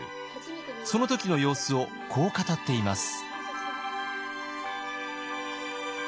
その時の様子をこう語っています。